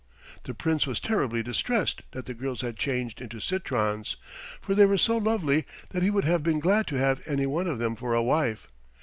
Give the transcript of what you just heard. The Prince was terribly distressed that the girls had changed into citrons, for they were so lovely that he would have been glad to have any one of them for a wife.